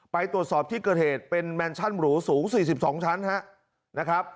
ไปตรวจสอบที่เกิดเหตุเป็นแมนชั่นบรูสูงสี่สิบสองชั้นฮะนะครับ